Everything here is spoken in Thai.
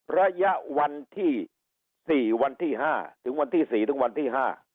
ระยะวันที่๔วันที่๕ถึงวันที่๔ถึงวันที่๕